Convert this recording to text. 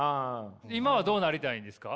今はどうなりたいんですか？